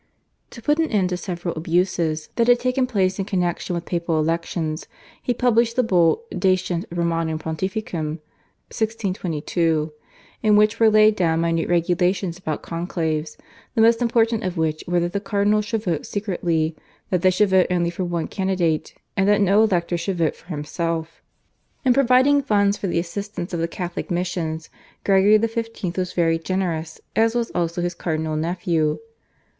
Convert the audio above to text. To put an end to several abuses that had taken place in connexion with papal elections he published the Bull, /Decet Romanum Pontificem/ (1622), in which were laid down minute regulations about conclaves, the most important of which were that the cardinals should vote secretly, that they should vote only for one candidate, and that no elector should vote for himself. In providing funds for the assistance of the Catholic missions Gregory XV. was very generous as was also his cardinal nephew.